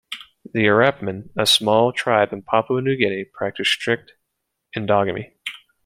The Urapmin-a small tribe in Papua New Guinea-practice strict endogamy.